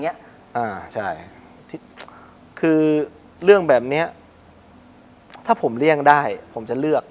อ่าใช่คือเรื่องแบบเนี้ยถ้าผมเลี่ยงได้ผมจะเลือก